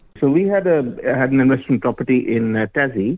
kami memiliki perusahaan investasi di tassie